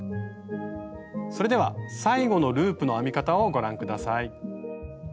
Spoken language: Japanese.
それでは最後のループの編み方をご覧下さい。